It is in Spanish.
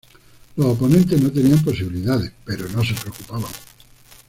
Los oponentes no tenían posibilidades, pero no se preocupaban.